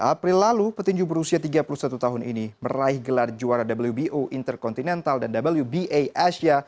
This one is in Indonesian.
april lalu petinju berusia tiga puluh satu tahun ini meraih gelar juara wbo intercontinental dan wba asia